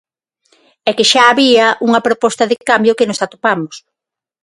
É que xa había unha proposta de cambio que nos atopamos.